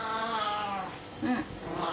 うん。